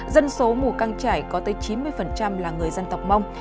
dân số mù căng trải có tới chín mươi là người dân tộc mông